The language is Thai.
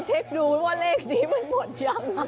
เช็คดูว่าเลขนี้มันหมดยัง